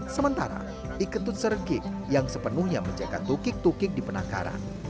sementara iketut serging yang sepenuhnya menjaga tukik tukik di penangkaran